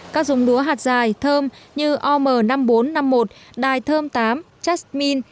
các dống lúa hạt dài thơm như om năm nghìn bốn trăm năm mươi một đài thơm tám chasmine